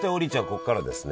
ここからですね